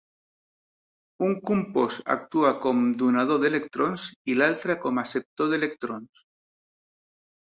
Un compost actua com donador d'electrons i l'altre com acceptor d'electrons.